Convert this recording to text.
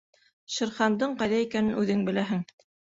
Шер Хандың ҡайҙа икәнен үҙең беләһең.